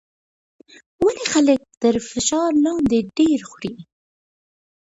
ولې خلک تر فشار لاندې ډېر خوري؟